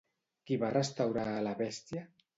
Qui va restaurar a la bèstia?